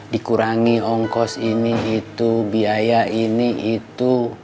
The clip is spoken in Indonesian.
dikurangi ongkos ini itu biaya ini itu